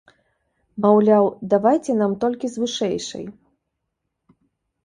Маўляў, давайце нам толькі з вышэйшай.